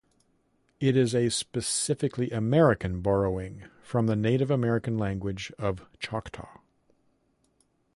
It is a specifically American borrowing from the Native American language of Choctaw.